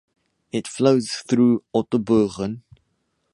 It flows through Ottobeuren.